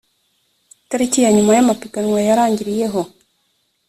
itariki ya nyuma y’ amapiganwa yarangiriyeho .